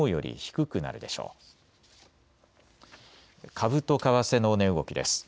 株と為替の値動きです。